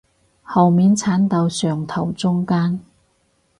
後面剷到上頭中間